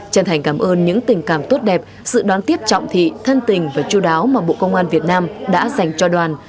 chân thành cảm ơn những tình cảm tốt đẹp sự đón tiếp trọng thị thân tình và chú đáo mà bộ công an việt nam đã dành cho đoàn